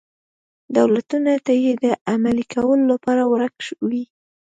دولتونو ته یې د عملي کولو لپاره ورک وي.